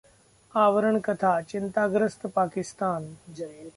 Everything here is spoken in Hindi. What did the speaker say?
आवरण कथाः चिंताग्रस्त पाकिस्तान